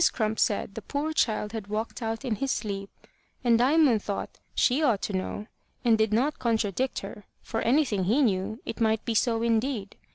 Crump said the poor child had walked out in his sleep, and Diamond thought she ought to know, and did not contradict her for anything he knew, it might be so indeed.